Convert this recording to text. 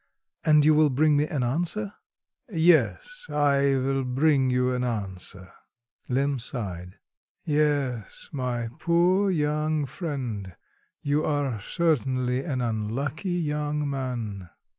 "And you will bring me an answer?" "Yes, I will bring you an answer." Lemm sighed. "Yes, my poor young friend; you are certainly an unlucky young man."